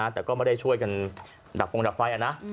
แต่ก็ไม่ได้ช่วยกันดับฟงดับไฟนะ